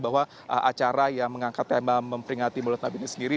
bahwa acara yang mengangkat tema memperingati mulut nabi ini sendiri